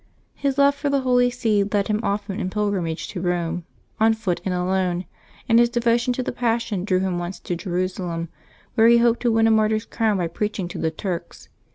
His love for the Holy See led him often in pilgrim age to Rome, on foot and alone, and his devotion to the Passion drew him once to Jerusalem, where he hoped to win a martyr's crown by preaching to the Turks.